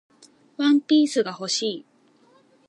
ワンピースが欲しい